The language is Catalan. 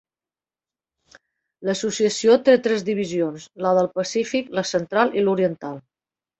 L'associació té tres divisions: la del Pacífic, la Central i l'Oriental.